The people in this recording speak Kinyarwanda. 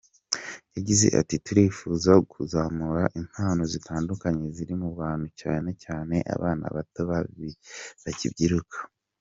Yagize ati: “ Turifuza kuzamura impano zitandukanye ziri mu bantu cyane cyane abana bato bakibyiruka.